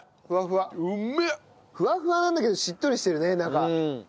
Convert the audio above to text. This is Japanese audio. ふわふわなんだけどしっとりしてるね中。